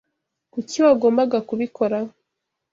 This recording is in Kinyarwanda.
Kuki wagombaga kubikora?